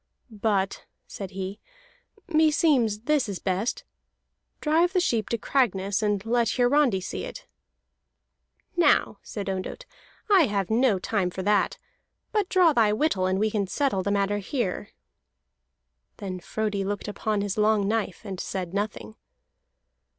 "But," said he, "meseems this is best. Drive the sheep to Cragness, and let Hiarandi see it." "Now," said Ondott, "I have no time for that. But draw thy whittle, and we can settle the matter here." Then Frodi looked upon his long knife, and said nothing.